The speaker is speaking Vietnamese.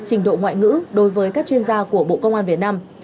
trình độ ngoại ngữ đối với các chuyên gia của bộ công an việt nam